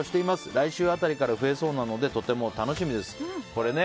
来週辺りから増えそうなのでとても楽しみです。